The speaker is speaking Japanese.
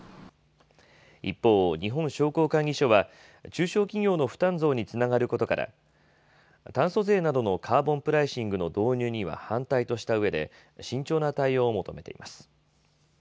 一方、日本商工会議所は中小企業の負担増につながることから、炭素税などのカーボンプライシングの導入には反対としたうえで、慎重な対応を求めています。